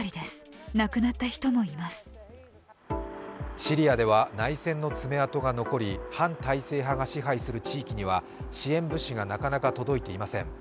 シリアでは内戦の爪痕が残り、反体制派が支配する地域には支援物資がなかなか届いていません。